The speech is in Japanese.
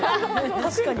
確かに。